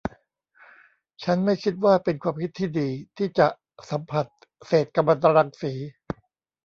ฉันไม่คิดว่าเป็นความคิดที่ดี ที่จะสัมผัสเศษกัมมันตรังสี